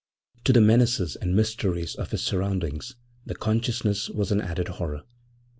To the menaces and mysteries of his surroundings the consciousness was an added horror.